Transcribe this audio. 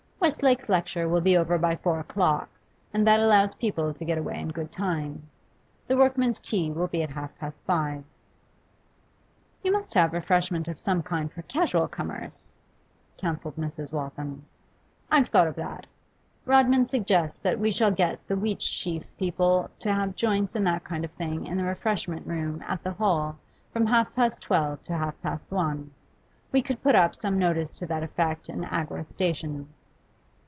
Westlake's lecture will be over by four o'clock, and that allows people to get away in good time. The workmen's tea will be at half past five.' 'You must have refreshments of some kind for casual comers,' counselled Mrs. Waltham. 'I've thought of that. Rodman suggests that we shall get the "Wheatsheaf" people to have joints and that kind of thing in the refreshment room at the Hall from half past twelve to half past one. We could put up some notice to that effect in Agworth station.